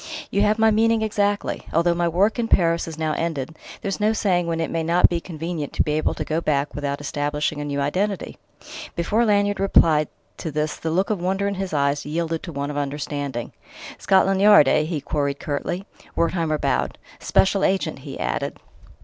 "You have my meaning exactly; although my work in Paris is now ended, there's no saying when it may not be convenient to be able to go back without establishing a new identity." Before Lanyard replied to this the look of wonder in his eyes had yielded to one of understanding. "Scotland Yard, eh?" he queried curtly. Wertheimer bowed. "Special agent," he added.